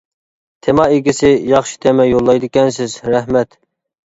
تېما ئىگىسى ياخشى تېما يوللايدىكەنسىز، رەھمەت!